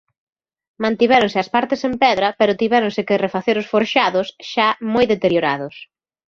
Mantivéronse as partes en pedra, pero tivéronse que refacer os forxados, xa moi deteriorados.